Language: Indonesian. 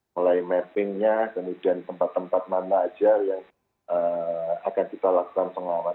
mulai mappingnya kemudian tempat tempat mana saja yang akan kita lakukan pengawasan